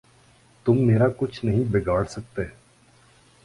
تم میرا کچھ نہیں بگاڑ سکتے۔